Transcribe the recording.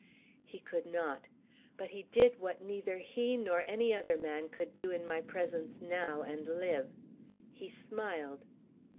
He could not, but he did what neither he nor any other man could do in my presence now and live he smiled.